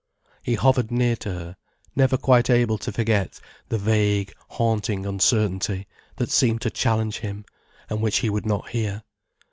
He hovered near to her, never quite able to forget the vague, haunting uncertainty, that seemed to challenge him, and which he would not hear.